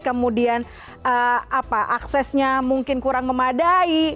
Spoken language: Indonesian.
kemudian aksesnya mungkin kurang memadai